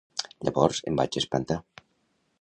Llavors em vaig espantar.